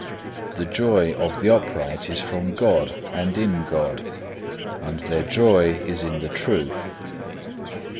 The joy of the upright is from God and in God, and their joy is in the truth.